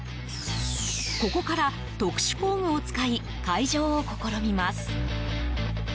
ここから、特殊工具を使い開錠を試みます。